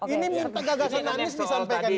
ini minta gagasan anies disampaikan